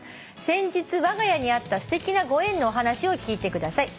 「先日わが家にあったすてきなご縁のお話を聞いてください」